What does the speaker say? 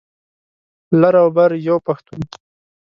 لر او بر یو پښتون.